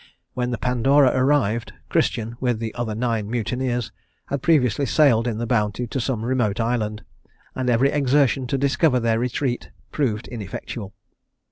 When the Pandora arrived, Christian, with the other nine mutineers, had previously sailed in the Bounty to some remote island, and every exertion to discover their retreat proved ineffectual.